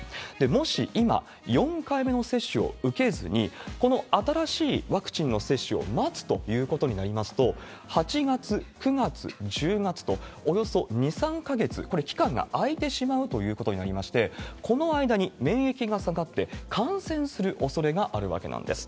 もし今、４回目の接種を受けずに、この新しいワクチンの接種を待つということになりますと、８月、９月、１０月と、およそ２、３か月、これ、期間が空いてしまうということになりまして、この間に免疫が下がって感染するおそれがあるわけなんです。